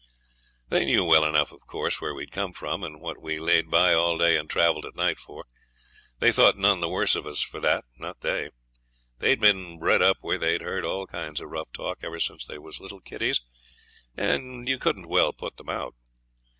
They knew well enough, of course, where we'd come from, and what we laid by all day and travelled at night for; they thought none the worse of us for that, not they. They'd been bred up where they'd heard all kinds of rough talk ever since they was little kiddies, and you couldn't well put them out.